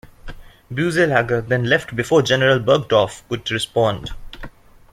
Boeselager then left before General Burgdorf could respond.